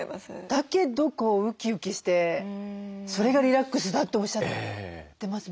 だけどウキウキしてそれがリラックスだとおっしゃってます